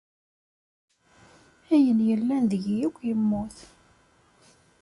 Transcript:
Ayen yellan deg-i akk yemmut.